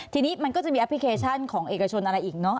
ทีนี้มันก็จะมีแอปพลิเคชันของเอกชนอะไรอีกเนอะ